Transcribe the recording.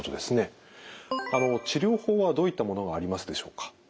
治療法はどういったものがありますでしょうか？